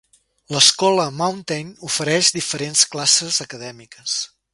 L'escola Mountain ofereix diferents classes acadèmiques.